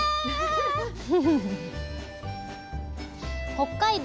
北海道